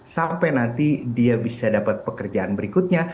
sampai nanti dia bisa dapat pekerjaan berikutnya